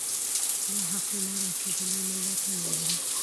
دا حقونه رسېدلي ملتونه لرل